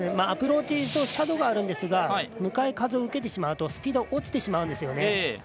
アプローチ斜度があるんですが向かい風を受けてしまうとスピードが落ちてしまうんですね。